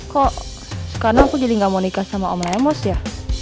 kok sekarang aku jadi gak mau nikah sama om emos ya